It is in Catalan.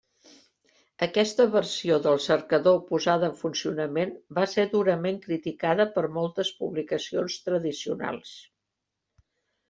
Aquesta versió del cercador posada en funcionament va ser durament criticada per moltes publicacions tradicionals.